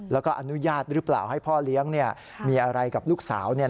แล้วก็อนุญาตหรือเปล่าให้พ่อเลี้ยงมีอะไรกับลูกสาว